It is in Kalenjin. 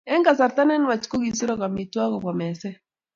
Eng kasarta ne nwach ko kisuruk amitwogik kobwa meset